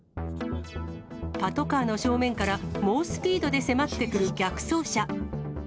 パトカーの正面から猛スピードで迫って来る逆走車。